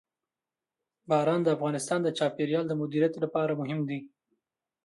باران د افغانستان د چاپیریال د مدیریت لپاره مهم دي.